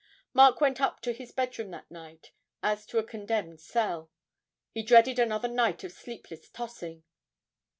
Mark went up to his bedroom that night as to a condemned cell; he dreaded another night of sleepless tossing.